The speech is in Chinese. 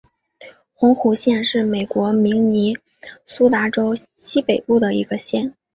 红湖县是美国明尼苏达州西北部的一个县。